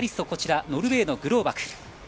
こちらのノルウェーのグローバク。